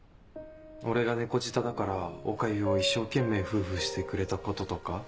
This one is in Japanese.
俺が猫舌だからおかゆを一生懸命フゥフゥしてくれたこととか。